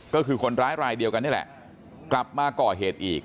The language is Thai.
ก็คือคนร้ายรายเดียวกันนี่แหละกลับมาก่อเหตุอีก